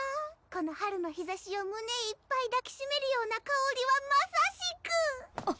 この春の日ざしを胸いっぱいだきしめるようなかおりはまさしく！